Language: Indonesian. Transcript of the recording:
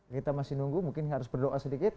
kita masih nunggu mungkin harus berdoa sedikit